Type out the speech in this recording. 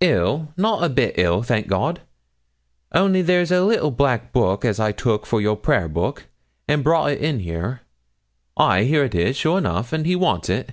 'Ill! not a bit ill, thank God. Only there's a little black book as I took for your prayer book, and brought in here; ay, here it is, sure enough, and he wants it.